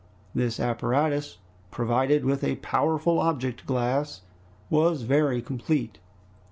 This apparatus, provided with a powerful object glass, was very complete.